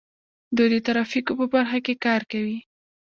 دوی د ترافیکو په برخه کې کار کوي.